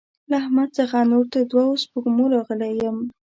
له احمد څخه نور تر دوو سپږمو راغلی يم.